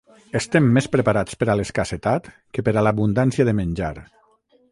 Estem més preparats per a l’escassetat que per a l’abundància de menjar.